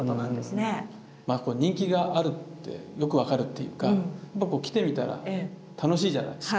人気があるってよく分かるっていうか来てみたら楽しいじゃないですか。